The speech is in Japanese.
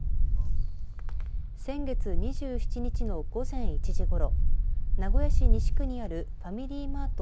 先月２７日の午前１時ごろ名古屋市西区にあるファミリーマート